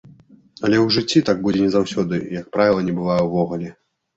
Але ў жыцці так будзе не заўсёды, і, як правіла, не бывае ўвогуле.